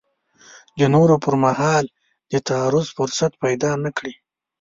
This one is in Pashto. د نورو پر مال د تعرض فرصت پیدا نه کړي.